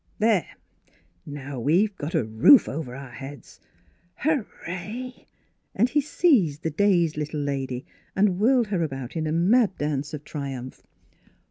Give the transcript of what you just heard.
" There ! Now we've got a roof over our heads. Hurray !" And he seized the dazed little lady and whirled her about in a mad dance of tri umph.